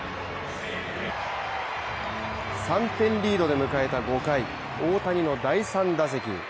３点リードで迎えた５回、大谷の第３打席。